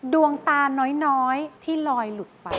ดวงตาน้อยที่ลอยหลุดไป